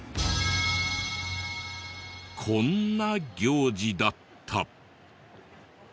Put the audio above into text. こんな行事だった。